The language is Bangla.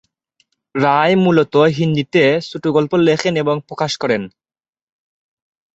রায় মূলত হিন্দিতে ছোট গল্প লেখেন এবং প্রকাশ করেন।